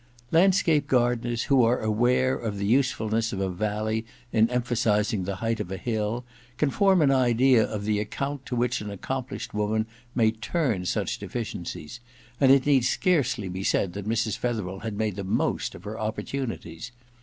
Landscape gardeners, who are aware of the usefulness of a valley in emphasizing the height of a hill, can form an idea of the account to which an accomplished woman may turn such deficiencies ; and it need scarcely be said that Mrs. Fetherel had made the most of her oppor tunities.